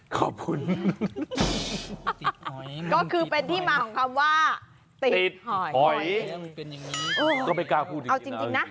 ขอบคุณก็คือเป็นที่มาของคำว่าติดหอยหอยก็ไม่กล้าพูดเอาจริงนะ